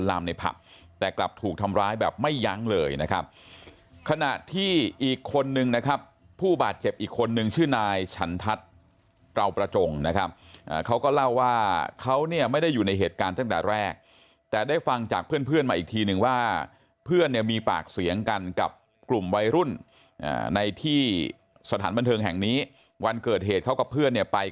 ในผับแต่กลับถูกทำร้ายแบบไม่ยั้งเลยนะครับขณะที่อีกคนนึงนะครับผู้บาดเจ็บอีกคนนึงชื่อนายฉันทัศน์เราประจงนะครับเขาก็เล่าว่าเขาเนี่ยไม่ได้อยู่ในเหตุการณ์ตั้งแต่แรกแต่ได้ฟังจากเพื่อนเพื่อนมาอีกทีนึงว่าเพื่อนเนี่ยมีปากเสียงกันกับกลุ่มวัยรุ่นในที่สถานบันเทิงแห่งนี้วันเกิดเหตุเขากับเพื่อนเนี่ยไป